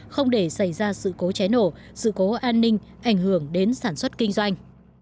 không để xảy ra sự cố cháy nổ sự cố an ninh ảnh hưởng đến sản xuất kinh doanh